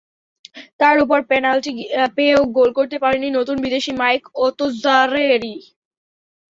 তার ওপর পেনাল্টি পেয়েও গোল করতে পারেননি নতুন বিদেশি মাইক ওতোজারেরি।